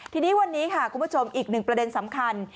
ทีนี้วันนี้ค่ะคุณผู้ชมอีกหนึ่งประเด็นสำคัญ